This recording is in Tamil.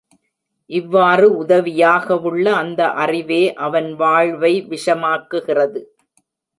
இவ்வாறு உதவியாகவுள்ள அந்த அறிவே அவன் வாழ்வை விஷமாக்குகிறது!